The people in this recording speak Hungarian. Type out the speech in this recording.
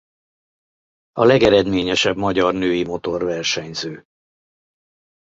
A legeredményesebb magyar női motorversenyző.